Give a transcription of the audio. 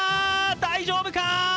大丈夫か？